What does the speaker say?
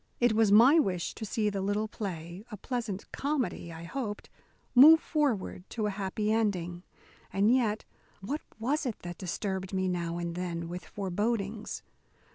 It was my wish to see the little play a pleasant comedy, I hoped move forward to a happy ending. And yet what was it that disturbed me now and then with forebodings?